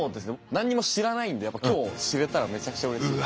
何にも知らないんでやっぱ今日知れたらめちゃくちゃうれしいです。